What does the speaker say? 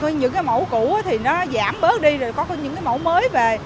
những cái mẫu cũ thì nó giảm bớt đi rồi có những cái mẫu mới về